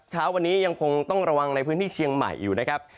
เช้าวันนี้ยังคงต้องระวังในพื้นที่เชียงใหม่อยู่นะครับ